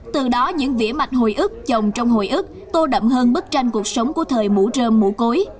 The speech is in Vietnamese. từ đó những vĩ mạch hồi ức chồng trong hồi ức tô đậm hơn bức tranh cuộc sống của thời mũ rơm mũ cối